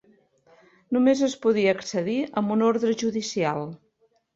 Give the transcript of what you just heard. Només es podia accedir amb una ordre judicial.